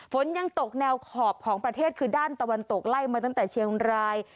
ฝนยังตกแนวขอบของประเทศคือด้านตะวันตกไล่มาตั้งแต่เชียงราย